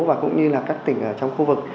và cũng như là các tỉnh ở trong khu vực